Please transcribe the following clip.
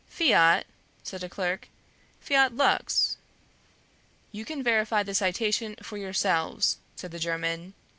"Fiat?..." said a clerk. "Fiat lux!" "You can verify the citation for yourselves," said the German.